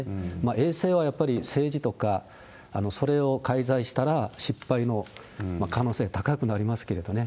衛星はやっぱり政治とか、それを介在したら失敗の可能性が高くなりますけれどね。